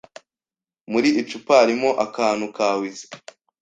Muri icupa harimo akantu ka whisky